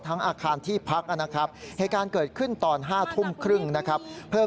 ทั้งอาคารที่พักนะครับ